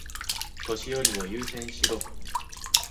年寄りを優先しろ。